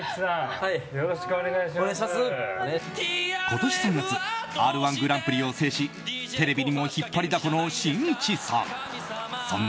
今年３月「Ｒ‐１グランプリ」を制しテレビにも引っ張りだこのしんいちさん。